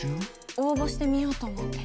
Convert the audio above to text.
応募してみようと思って。